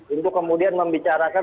untuk kemudian membicarakan